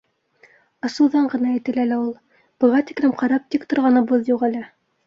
— Асыуҙан ғына әйтелә лә ул. Быға тиклем ҡарап тик торғаныбыҙ юҡ әле.